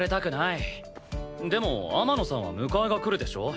でも天野さんは迎えが来るでしょ？